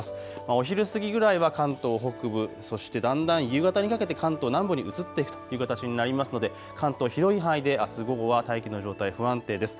お昼過ぎぐらいは関東北部、そしてだんだん夕方にかけて関東南部に移っていくという形になりますので、関東広い範囲であす午後は大気の状態、不安定です。